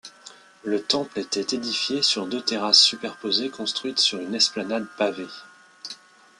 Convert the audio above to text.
Le temple était édifié sur deux terrasses superposées construites sur une esplanade pavée.